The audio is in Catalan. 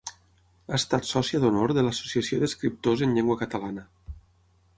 Ha estat sòcia d'honor de l'Associació d'Escriptors en Llengua Catalana.